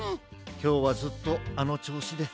きょうはずっとあのちょうしです。